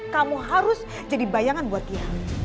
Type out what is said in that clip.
kamu harus jadi bayangan buat dia